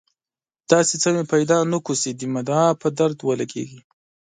داسې څه مې پیدا نه کړل چې د مدعا په درد ولګېږي.